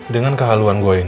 dengan kehalauan saya ini